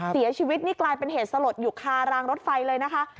เสียชีวิตนี่กลายเป็นเหตุสลดอยู่คารางรถไฟเลยนะคะ